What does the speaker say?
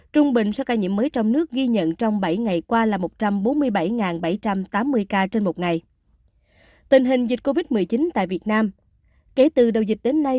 trung bình số ca nhiễm mới trong nước ghi nhận trong bảy ngày qua là một trăm bốn mươi bảy bảy trăm tám mươi ca trên một ngày